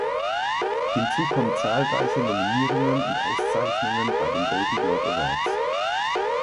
Hinzu kommen zahlreiche Nominierungen und Auszeichnungen bei den Golden Globe Awards.